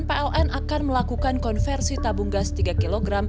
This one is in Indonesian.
pln akan melakukan konversi tabung gas tiga kg